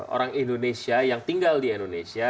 orang indonesia yang tinggal di indonesia